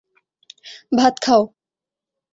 ভাত খাও।